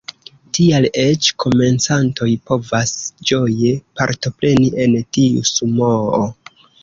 Tial eĉ komencantoj povas ĝoje partopreni en tiu Sumoo.